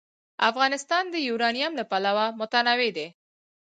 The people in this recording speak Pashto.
افغانستان د یورانیم له پلوه متنوع دی.